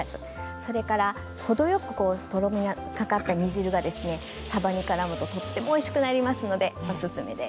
それから程よくとろみがかかった煮汁がさばとからむと、とてもおいしくなりますのでおすすめです。